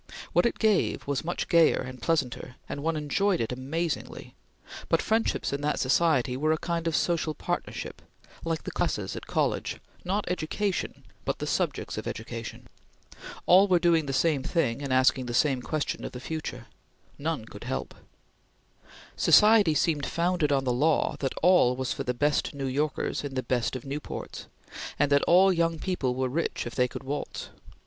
What it gave was much gayer and pleasanter, and one enjoyed it amazingly; but friendships in that society were a kind of social partnership, like the classes at college; not education but the subjects of education. All were doing the same thing, and asking the same question of the future. None could help. Society seemed founded on the law that all was for the best New Yorkers in the best of Newports, and that all young people were rich if they could waltz.